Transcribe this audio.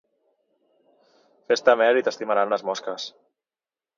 Fes-te mel i t'estimaran les mosques.